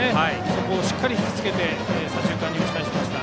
そこをしっかりと引き付けて左中間に打ち返しました。